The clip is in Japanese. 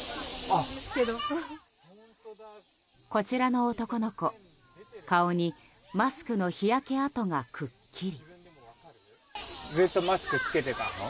こちらの男の子、顔にマスクの日焼け痕がくっきり。